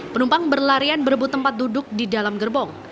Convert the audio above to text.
penumpang berlarian berebut tempat duduk di dalam gerbong